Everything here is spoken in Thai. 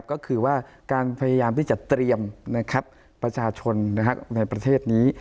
ก็คือว่าการพยายามที่จะเตรียมประชาชนในประเทศนี้